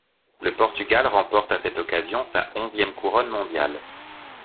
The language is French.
Le Portugal remporte à cette occasion sa onzième couronne mondiale.